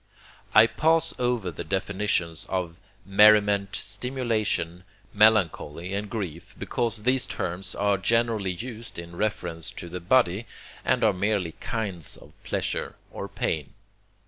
I pass over the definitions of merriment, stimulation, melancholy, and grief, because these terms are generally used in reference to the body, and are merely kinds of pleasure or pain.